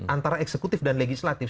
antara eksekutif dan legislatif